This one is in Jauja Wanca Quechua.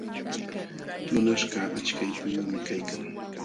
Tunaśhkaq achka qipuyuqmi kaykan.